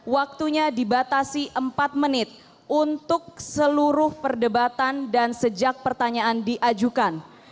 waktunya dibatasi empat menit untuk seluruh perdebatan dan sejak pertanyaan diajukan